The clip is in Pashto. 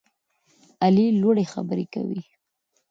علي لوړې خبرې کوي.